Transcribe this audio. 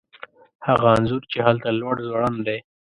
هغه انځور چې هلته لوړ ځوړند دی